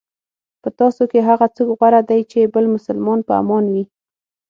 په تاسو کې هغه څوک غوره دی چې بل مسلمان په امان وي.